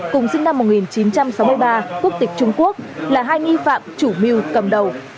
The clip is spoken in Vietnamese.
cùng sinh năm một nghìn chín trăm sáu mươi ba quốc tịch trung quốc là hai nghi phạm chủ mưu cầm đầu